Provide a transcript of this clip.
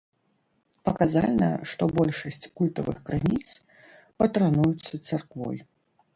Паказальна, што большасць культавых крыніц патрануюцца царквою.